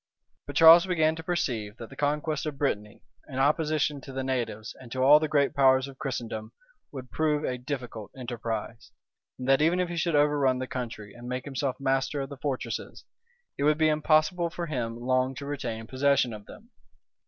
But Charles began to perceive that the conquest of Brittany, in opposition to the natives, and to all the great powers of Christendom, would prove a difficult enterprise; and that even if he should overrun the country and make himself master of the fortresses, it would be impossible for him long to retain possession of them.